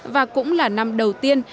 và cũng là năm đầu tiên